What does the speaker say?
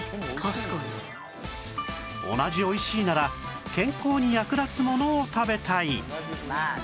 同じ美味しいなら健康に役立つものを食べたい